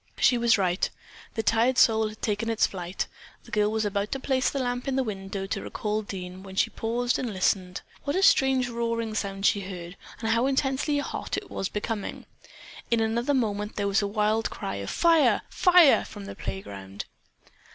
She was right. The tired soul had taken its flight. The girl was about to place the lamp in the window to recall Dean when she paused and listened. What a strange roaring sound she heard, and how intensely hot it was becoming. In another moment there was a wild cry of "Fire! Fire!" from the playground.